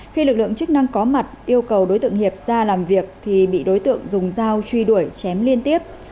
khi lực lượng chức năng có mặt yêu cầu đối tượng hiệp ra làm việc thì bị đối tượng dùng dao truy đuổi chém liên tiếp